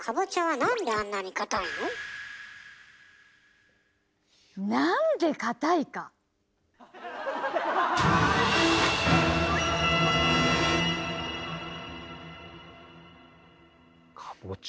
なんで硬いか⁉かぼちゃ。